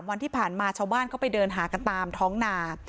วันที่ผ่านมาชาวบ้านเข้าไปเดินหากันตามท้องนา